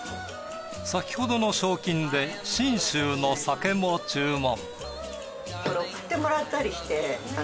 先ほどの賞金で信州の酒も注文。